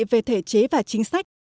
về thể chế và chính sách